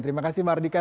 terima kasih mardika